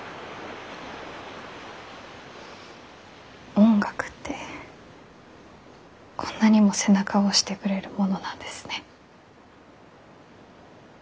音楽ってこんなにも背中を押してくれるものなんですね。